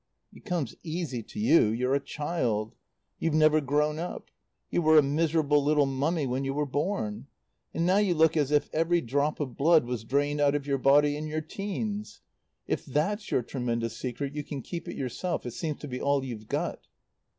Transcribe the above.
"It comes easy to you. You're a child. You've never grown up. You were a miserable little mummy when you were born. And now you look as if every drop of blood was drained out of your body in your teens. If that's your tremendous secret you can keep it yourself. It seems to be all you've got."